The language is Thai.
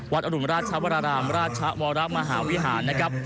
อรุณราชวรรามราชวรมหาวิหารนะครับ